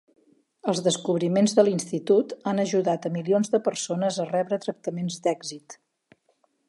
Els descobriments de l'institut han ajudat a milions de persones a rebre tractaments d'èxit.